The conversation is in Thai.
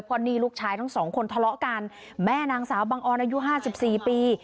เพราะนี่ลูกชายทั้งสองคนทะเลาะกันแม่นางสาวบังออนอายุห้าสิบสี่ปี